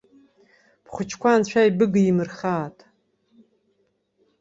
Бхәыҷқәа анцәа ибыгимырхааит.